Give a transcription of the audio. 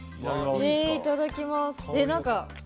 いただきます。